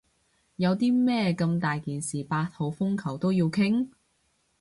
有啲咩咁大件事八號風球都要傾？